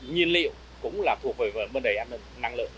nhiên liệu cũng là thuộc về vấn đề an ninh năng lượng